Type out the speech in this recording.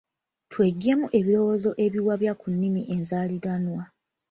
Tweggyemu ebirowoozo ebiwabya ku nnimi enzaaliranwa.